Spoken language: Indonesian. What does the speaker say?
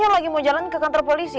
saya lagi mau jalan ke kantor polisi